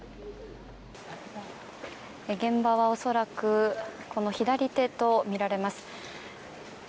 現場は、恐らくこの左手とみられます。